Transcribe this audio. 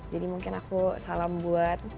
jadi mungkin aku salam buat